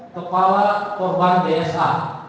kepala korban dsh